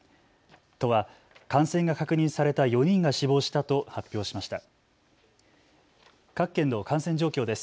都は感染が確認された４人が死亡したと発表しました。